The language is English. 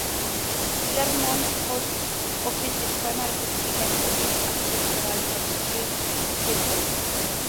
Claremont Post Office is primarily significant for its architectural and streetscape values.